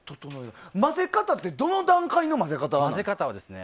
混ぜ方ってどの段階の混ぜ方なんですか？